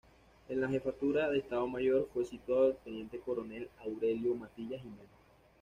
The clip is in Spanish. En la jefatura de Estado Mayor fue situado el teniente coronel Aurelio Matilla Jimeno.